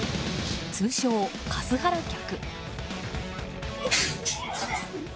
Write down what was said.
通称カスハラ客。